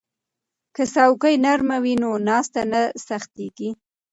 که څوکۍ نرمه وي نو ناسته نه سختیږي.